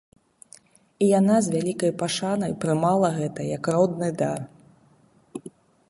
І яна, з вялікай пашанай, прымала гэта, як родны дар.